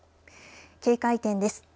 警戒点です。